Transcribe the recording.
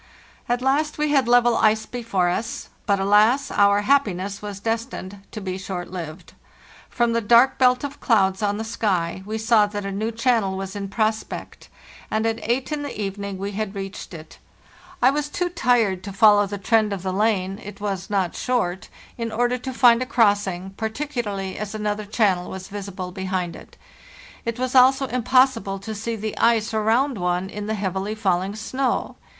"At last we had level ice before us; but, alas! our happiness was destined to be short lived. From the dark belt of clouds on the sky we saw that a new channel was in prospect, and at eight in the evening we bo bo AVGARO STROGGLE W had reached it. I was too tired to follow the trend of the lane (it was not short) in order to find a crossing, particularly as another channel was visible behind it. It was also impossible to see the ice around one in the heavily falling snow.